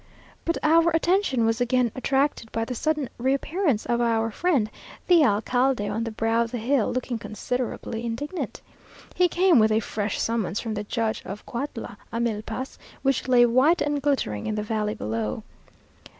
But our attention was again attracted by the sudden reappearance of our friend, the alcalde, on the brow of the hill, looking considerably indignant. He came with a fresh summons from the judge of Cuautla Amilpas, which lay white and glittering in the valley below.